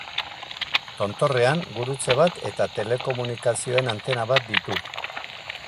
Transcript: Tontorrean gurutze bat eta telekomunikazioen antena bat ditu.